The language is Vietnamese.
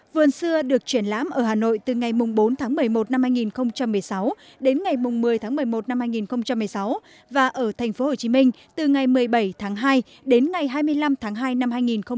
vườn xưa được triển lãm ở hà nội từ ngày bốn tháng một mươi một năm hai nghìn một mươi sáu đến ngày một mươi tháng một mươi một năm hai nghìn một mươi sáu và ở tp hcm từ ngày một mươi bảy tháng hai đến ngày hai mươi năm tháng hai năm hai nghìn một mươi chín